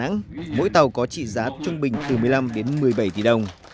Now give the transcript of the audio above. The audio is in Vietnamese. trong đó mỗi tàu có trị giá trung bình từ một mươi năm một mươi bảy tỷ đồng